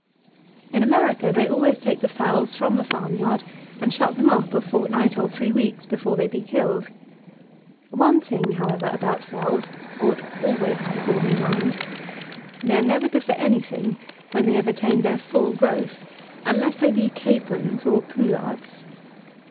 In America they always take the fowls from the farm yard, and shut them up a fortnight or three weeks before they be killed. One thing, however, about fowls ought always to be borne in mind. They are never good for any thing when they have attained their full growth, unless they be capons or poullards.